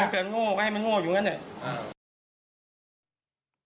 ถ้าเกิดโง่ก็ให้มันโง่อยู่นั้นเลย